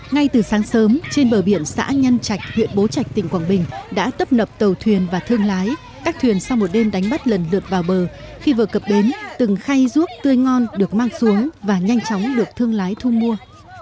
ngay từ sáng sớm trên bờ biển xã nhân trạch huyện bố trạch tỉnh quảng bình đã tấp nập tàu thuyền và thương lái các thuyền sau một đêm đánh bắt lần lượt vào bờ khi vừa cập đến từng khay ruốc tươi ngon được mang xuống và nhanh chóng được thương lái thu mua